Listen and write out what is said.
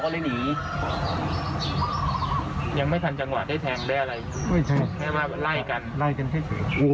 ไล่กันแค่เฉย